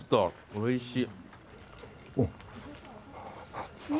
おいしい。